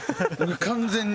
完全に。